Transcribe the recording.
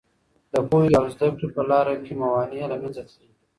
د پوهې او زده کړې په لاره کې موانع له منځه تللي.